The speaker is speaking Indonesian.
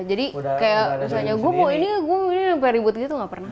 jadi kayak misalnya gue mau ini gue mau ini sampai ribut gitu gak pernah